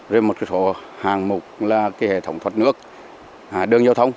rồi một số hạng mục là cái hệ thống thuật nước đường giao thông